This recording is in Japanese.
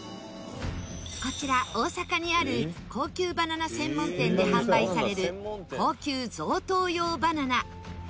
こちら大阪にある高級バナナ専門店で販売される高級贈答用バナナ。